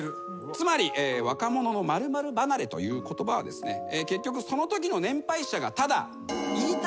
つまり若者の○○離れという言葉はですね結局そのときの年配者がただ。